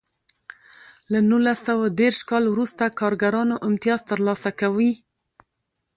له نولس سوه دېرش کال وروسته کارګرانو امتیاز ترلاسه کوی.